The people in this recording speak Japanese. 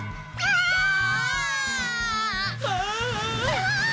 うわ！